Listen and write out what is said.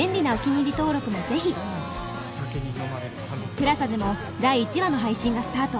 ＴＥＬＡＳＡ でも第１話の配信がスタート